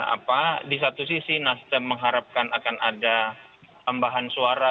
apa di satu sisi nasdem mengharapkan akan ada tambahan suara